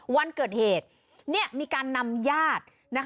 วันเกิดเหตุมีการนำญาติ